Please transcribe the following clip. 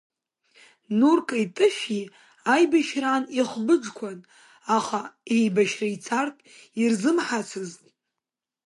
Нуркеи Тышәи аибашьраан ихбыџқәан, аха еибашьра ицартә ирзымҳацызт.